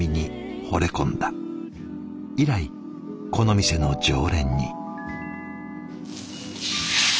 以来この店の常連に。